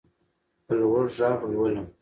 په لوړ غږ لولم.